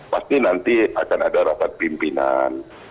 pasti nanti akan ada rapat pimpinan